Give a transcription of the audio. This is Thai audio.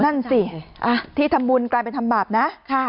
นั่นสิที่ทำบุญกลายเป็นทำบาปนะ